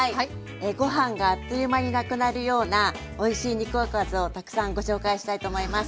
ご飯があっという間になくなるようなおいしい肉おかずをたくさんご紹介したいと思います。